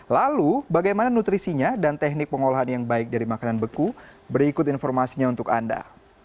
lalu bagaimana nutrisinya dan teknik pengolahan yang baik dari makanan beku berikut informasinya untuk anda